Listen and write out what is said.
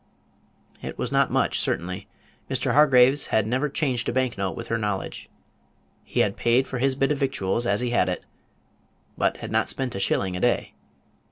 It was not much, certainly. Mr. Hargraves had never changed a bank note with her knowledge. He had paid for his bit of victuals as he had it, but had not spent a shilling a day.